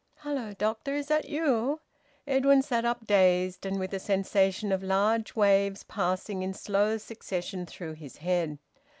"Hello, doctor, is that you?" Edwin sat up, dazed, and with a sensation of large waves passing in slow succession through his head.